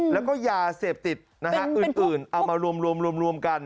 แล้วก็ยาเสพติดนะฮะอื่นเอามารวมกัน